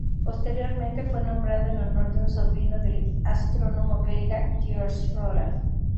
Posteriormente fue nombrado en honor de un sobrino del astrónomo belga Georges Roland.